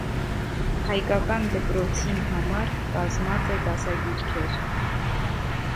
Հայկական դպրոցին համար՝ կազմած է դասագիրքեր։